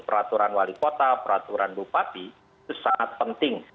peraturan wali kota peraturan bupati itu sangat penting